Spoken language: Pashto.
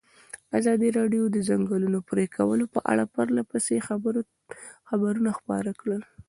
ازادي راډیو د د ځنګلونو پرېکول په اړه پرله پسې خبرونه خپاره کړي.